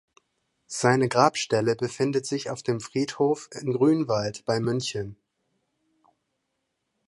Seine Grabstelle befindet sich auf dem Friedhof in Grünwald bei München.